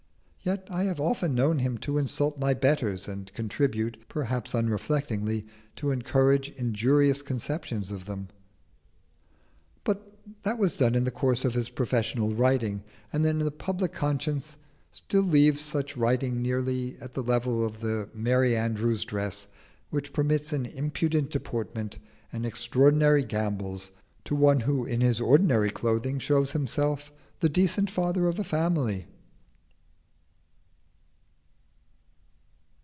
Yet I have often known him to insult my betters and contribute (perhaps unreflectingly) to encourage injurious conceptions of them but that was done in the course of his professional writing, and the public conscience still leaves such writing nearly on the level of the Merry Andrew's dress, which permits an impudent deportment and extraordinary gambols to one who in his ordinary clothing shows himself the decent father of a family.